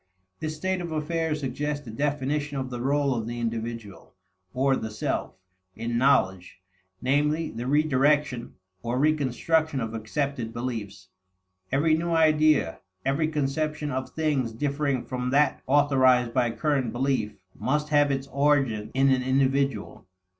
This state of affairs suggests a definition of the role of the individual, or the self, in knowledge; namely, the redirection, or reconstruction of accepted beliefs. Every new idea, every conception of things differing from that authorized by current belief, must have its origin in an individual.